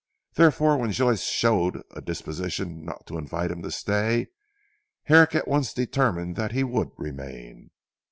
Therefore when Joyce showed a disposition not to invite him to stay, Herrick at once determined that he would remain.